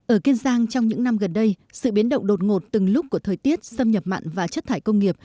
ở kiên giang trong những năm gần đây sự biến động đột ngột từng lúc của thời tiết xâm nhập mặn và chất thải công nghiệp